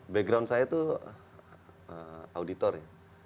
background saya itu auditor ya